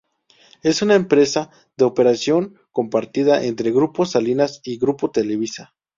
Es una empresa de operación compartida entre Grupo Salinas y Grupo Televisa.